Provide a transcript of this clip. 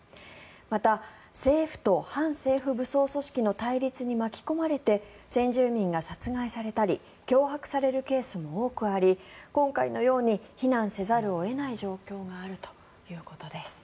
また、政府と反政府武装組織の対立に巻き込まれて先住民が殺害されたり脅迫されたりするケースも多くあり今回のように避難せざるを得ない状況があるということです。